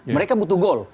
mereka butuh gol